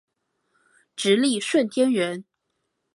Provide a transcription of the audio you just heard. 直隶顺天人。